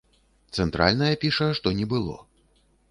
Цэнтральная піша, што не было.